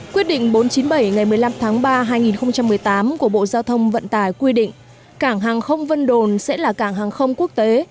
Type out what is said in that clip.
quyết định bốn trăm chín mươi bảy ngày một mươi năm tháng ba hai nghìn một mươi tám của bộ giao thông vận tải quy định cảng hàng không vân đồn sẽ là cảng hàng không quốc tế